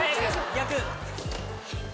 逆！